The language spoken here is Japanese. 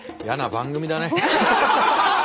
やな番組だね。